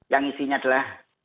yang isinya adalah